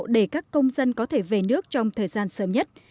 để các công dân có thể về nước trong thời gian sớm nhất